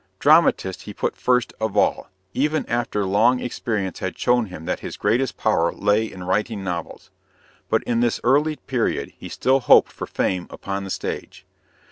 "Dramatist" he put first of all, even after long experience had shown him that his greatest power lay in writing novels. But in this early period he still hoped for fame upon the stage.